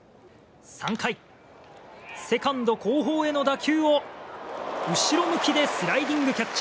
３回、セカンド後方への打球を後ろ向きでスライディングキャッチ。